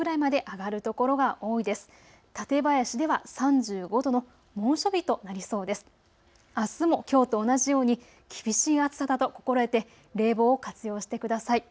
あすもきょうと同じように厳しい暑さだと心得て冷房を活用してください。